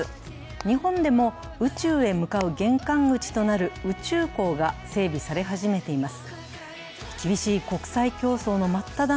日本でも宇宙へ向かう玄関口となる宇宙港が整備され始めています。